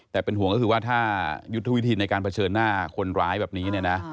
แต่เป็นห่วงก็คือว่าถ้ายุทธวิธีในการเผชิญหน้าคนร้ายแบบนี้เนี่ยนะ